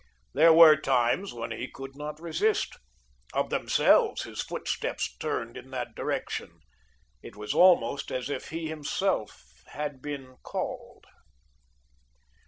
There were times when he could not resist. Of themselves, his footsteps turned in that direction. It was almost as if he himself had been called.